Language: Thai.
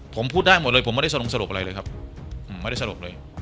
ผมพูดได้หมดเลยผมไม่ได้สรุปอะไรเลยครับ